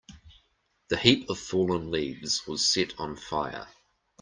The heap of fallen leaves was set on fire.